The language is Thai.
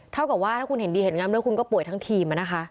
เท่ากับว่าถ้าคุณเห็นดีเห็นงามด้วยคุณก็ป่วยทั้งทีมนะคะ